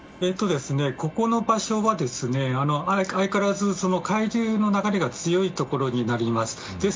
ここの場所は相変わらず海流の流れが強いところになります。